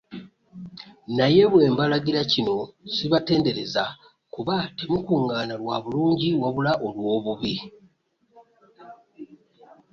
Naye bwe mbalagira kino ssibatendereza, kabanga temukungaana lwa bulungi wabula olw'obubi.